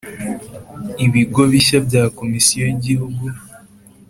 Ibigo bishya bya Komisiyo y Igihugu